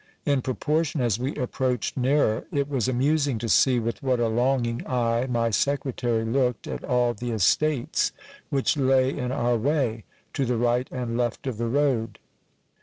In proportion as we approached nearer, it was' amusing to see with what a longing eye my secretary looked at all the estates which lay in our way, to the right and left of the road.